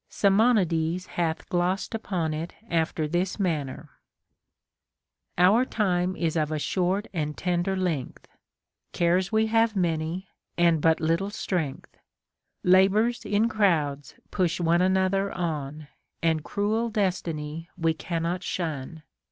Simonides hath glossed upon it after this manner :— Our time is of a short and tender length, Cares we have many, and hut little strength ; Labors in crowds pusli one another on, And cruel destiny we cannot shun.